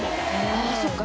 ああそうか。